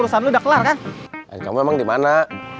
urusan lo udah kelar kan kamu emang dimana